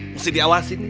mesti diawasin ya